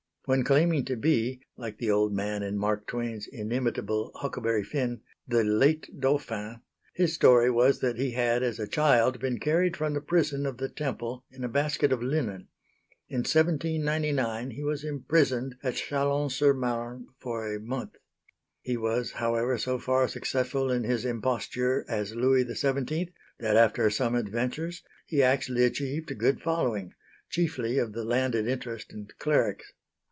When claiming to be, like the old man in Mark Twain's inimitable Huckleberry Finn, "the late Dauphin," his story was that he had as a child been carried from the prison of the Temple in a basket of linen. In 1799 he was imprisoned at Chalons sur Marne for a month. He was, however, so far successful in his imposture as Louis XVII, that after some adventures he actually achieved a good following chiefly of the landed interest and clerics.